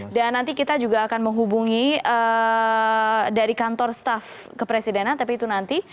dan nanti kita juga akan menghubungi dari kantor staff kepresidenan tapi itu nanti